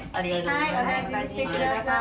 はいお大事にしてください。